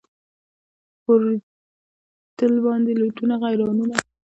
اورېدل باندي لوټونه غیرانونه